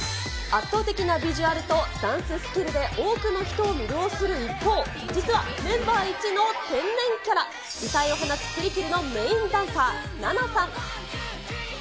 圧倒的なビジュアルとダンススキルで多くの人を魅了する一方、実はメンバー一の天然キャラ、異彩を放つＰＲＩＫＩＬのメインダンサー、ナナさん。